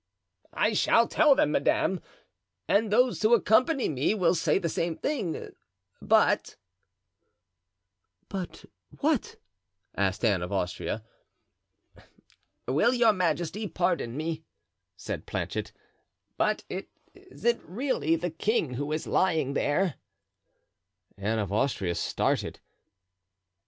"I shall tell them, madame, and those who accompany me will say the same thing; but——" "But what?" asked Anne of Austria. "Will your majesty pardon me," said Planchet, "but is it really the king who is lying there?" Anne of Austria started.